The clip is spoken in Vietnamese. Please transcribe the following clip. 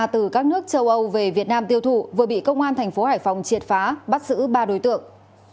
từ các nước châu âu về việt nam tiêu thụ vừa bị công an thành phố hải phòng triệt phá bắt giữ ba đối tượng